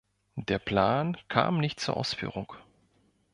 Der Plan kam nicht zur Ausführung.